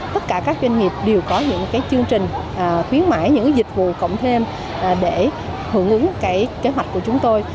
tất cả các doanh nghiệp đều có những chương trình khuyến mãi những dịch vụ cộng thêm để hưởng ứng kế hoạch của chúng tôi